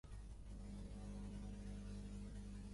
Posteriorment s’hi uniren Dolors Roca, Rafael Sala i Ramon Estrada.